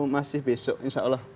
masih besok insya allah